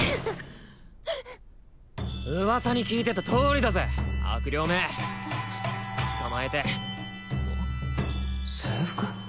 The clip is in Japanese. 噂に聞いてたとおりだぜ悪霊め捕まえて制服？